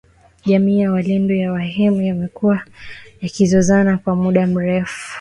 Jamii za walendu na wahema zimekuwa zikizozana kwa muda mrefu